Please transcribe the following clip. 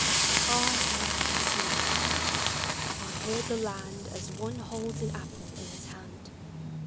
I am the Sea. I hold the land As one holds an apple in his hand.